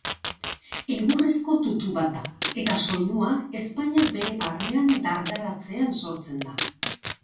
Egurrezko tutu bat da eta soinua ezpainak bere barnean dardaratzean sortzen da.